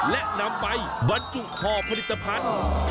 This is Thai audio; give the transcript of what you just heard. และนำไปบรรจุห่อผลิตภัณฑ์